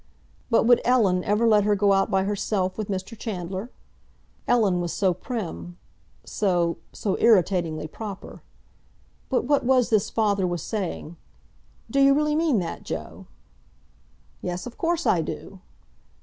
But would Ellen ever let her go out by herself with Mr. Chandler? Ellen was so prim, so—so irritatingly proper. But what was this father was saying? "D'you really mean that, Joe?" "Yes, of course I do!"